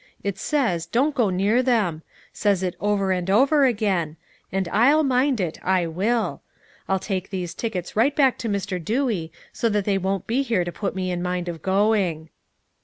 It says, 'Don't go near them,' says it over and over again; and I'll mind it, I will. I'll take these tickets right back to Mr. Dewey, so they won't be here to put me in mind of going."